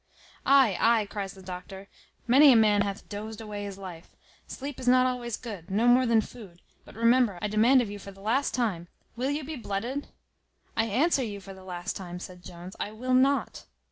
"Ay, ay," cries the doctor; "many a man hath dozed away his life. Sleep is not always good, no more than food; but remember, I demand of you for the last time, will you be blooded?" "I answer you for the last time," said Jones, "I will not."